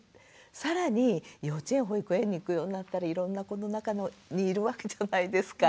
更に幼稚園保育園に行くようになったらいろんな子の中にいるわけじゃないですか。